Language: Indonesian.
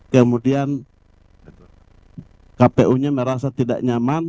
kemudian kpu nya merasa tidak nyaman